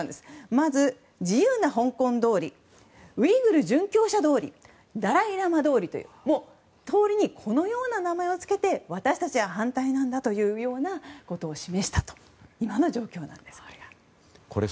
まず、自由な香港通りウイグル殉教者通りダライ・ラマ通りという通りにこのような名前を付けて私たちは反対なんだというようなことを示したという今の状況です、それが。